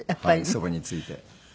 そこについて。